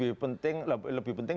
lebih penting lebih penting